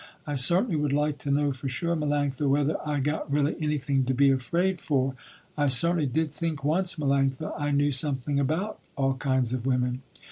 I certainly would like to know for sure, Melanctha, whether I got really anything to be afraid for. I certainly did think once, Melanctha, I knew something about all kinds of women.